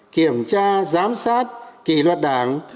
kiểm tra giám sát kỳ luật đảng